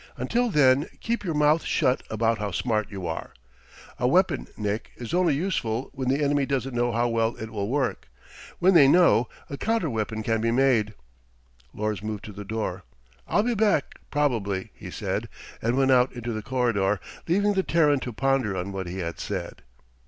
Until then, keep your mouth shut about how smart you are. A weapon, Nick, is only useful when the enemy doesn't know how well it will work. When they know, a counter weapon can be made." Lors moved to the door. "I'll be back, probably," he said and went out into the corridor, leaving the Terran to ponder on what he had said.